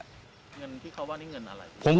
เงินที่เขาว่านี่เงินอะไร